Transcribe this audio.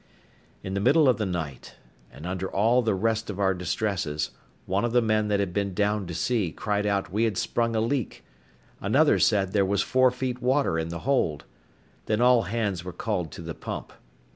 In the middle of the night, and under all the rest of our distresses, one of the men that had been down to see cried out we had sprung a leak; another said there was four feet water in the hold. Then all hands were called to the pump.